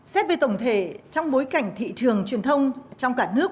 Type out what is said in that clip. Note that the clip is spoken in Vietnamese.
xét về tổng thể trong bối cảnh thị trường truyền thông trong cả nước